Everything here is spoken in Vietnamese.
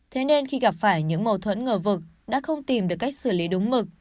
thế nên khi gặp phải những mâu thuẫn ngờ vực đã không tìm được cách xử lý đúng mực